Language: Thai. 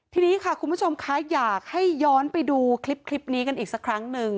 ทีนี้ค่ะคุณผู้ชมคะอยากให้ย้อนไปดูคลิปนี้กันอีกสักครั้งหนึ่ง